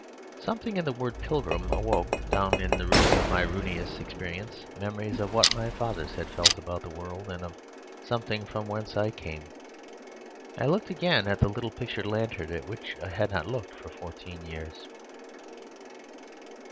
"Something in the word 'pilgrim' awoke down in the roots of my ruinous experience memories of what my fathers had felt about the world, and of something from whence I came. I looked again at the little pictured lantern at which I had not looked for fourteen years.